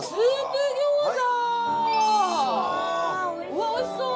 うわっおいしそう！